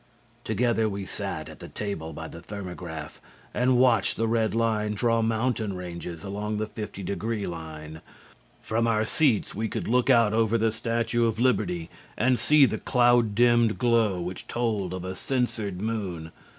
Together we sat at the table by the thermograph and watched the red line draw mountain ranges along the 50 degree line. From our seats we could look out over the Statue of Liberty and see the cloud dimmed glow which told of a censored moon.